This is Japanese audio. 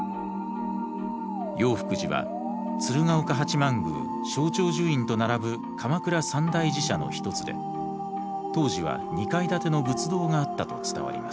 永福寺は鶴岡八幡宮勝長寿院と並ぶ鎌倉三大寺社の一つで当時は２階建ての仏堂があったと伝わります。